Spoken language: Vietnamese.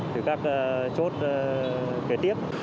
từ các chốt kế tiếp